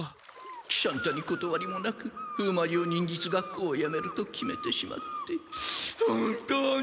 喜三太にことわりもなく風魔流忍術学校をやめると決めてしまって本当に。